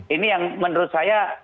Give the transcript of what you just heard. ini yang menurut saya